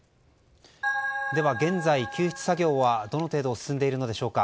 現在、救出作業はどの程度進んでいるのでしょうか。